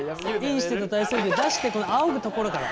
インしてた体操着出してこのあおぐところから。